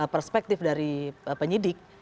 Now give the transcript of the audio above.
perspektif dari penyidik